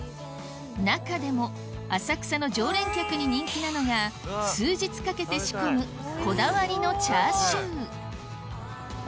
中でも浅草の常連客に人気なのが数日かけて仕込むこだわりのチャーシューどうぞ。